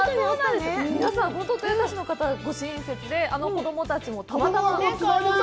皆さん、本当に豊田市の方ご親切で、あの子供たちもたまたまね。